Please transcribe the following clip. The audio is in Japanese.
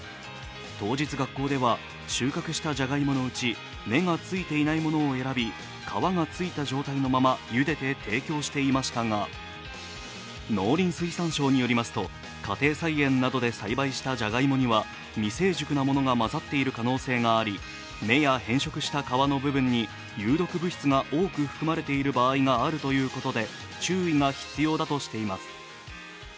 当日、学校では、収穫したじゃがいものうち芽がついていないものを選び皮がついた状態のままゆでて提供していましたが農林水産省によりますと家庭菜園などで栽培したじゃがいもには未成熟なものが混ざっている可能性があり芽や変色した皮の部分に有毒物質が多く含まれている場合があるということで注意が必要だとしています。